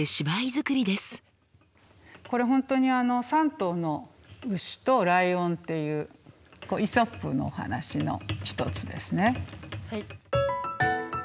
これ本当にあの「３頭の牛とライオン」っていう「イソップ」のお話の一つですね。